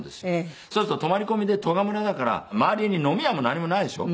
そうすると泊まり込みで利賀村だから周りに飲み屋も何もないでしょ？